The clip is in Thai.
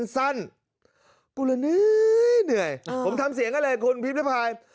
สั้นกูละเนื้อเหนื่อยเออผมทำเสียงกันเลยพิมพิพาย